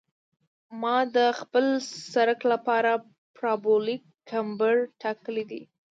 ما د خپل سرک لپاره پارابولیک کمبر ټاکلی دی